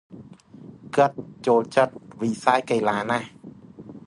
គាត់ ចូលចិត្ត វិស័យកីឡាណាស់ ។